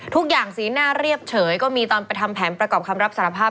สีหน้าเรียบเฉยก็มีตอนไปทำแผนประกอบคำรับสารภาพ